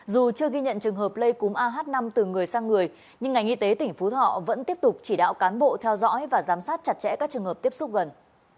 dù chưa ghi nhận trường hợp lây cúm ah năm từ người sang người nhưng ngành y tế tỉnh phú thọ vẫn tiếp tục chỉ đạo cán bộ theo dõi và giám sát chặt chẽ các trường hợp tiếp xúc gần